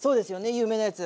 有名なやつ。